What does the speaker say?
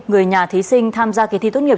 người nhà thí sinh tham gia kỳ thi tốt nghiệp